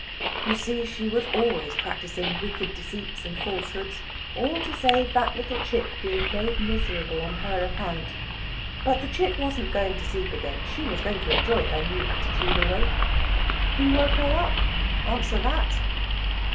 You see, she was always practising wicked deceits and falsehoods, all to save that little chit being made miserable on her account. But the chit wasn't going to sleep again. She was going to enjoy her new attitude awake. Who woke her up? Answer that.